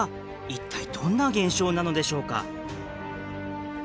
一体どんな現象なのでしょうか？